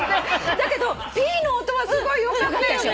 だけどピーの音はすごいよかったよね。